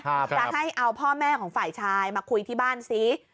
จะให้เอาพ่อแม่ของฝ่ายชายมาคุยที่บ้านซิ